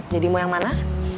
jadi mau yang mana